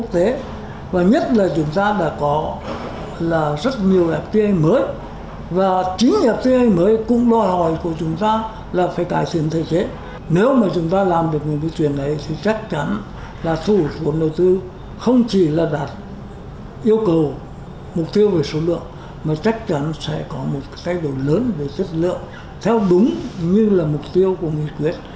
theo đúng như là mục tiêu của nghị quyết